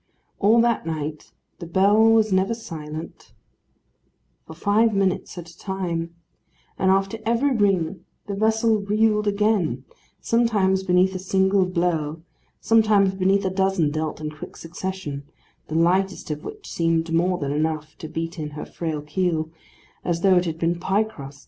All that night, the bell was never silent for five minutes at a time; and after every ring the vessel reeled again, sometimes beneath a single blow, sometimes beneath a dozen dealt in quick succession, the lightest of which seemed more than enough to beat in her frail keel, as though it had been pie crust.